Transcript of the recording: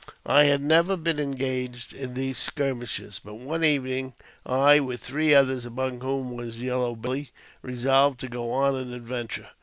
I had never been engaged in these skirmishes; but one evening, I, with three others, among whom was Yellow Belly, resolved to go on an adventure.